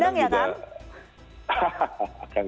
akan gendang ya kang